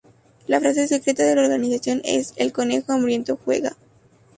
La frase secreta de la organización es: El conejo hambriento juega.